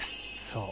そう。